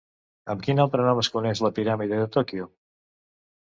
Amb quin altre nom es coneix la Piràmide de Tòquio?